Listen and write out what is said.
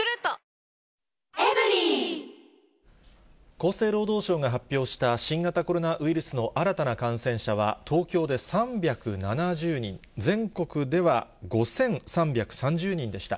厚生労働省が発表した新型コロナウイルスの新たな感染者は、東京で３７０人、全国では５３３０人でした。